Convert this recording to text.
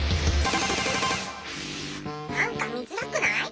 なんか見づらくない？